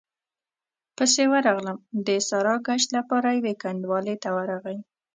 پسې ورغلم، د ساراګشت له پاره يوې کنډوالې ته ورغی،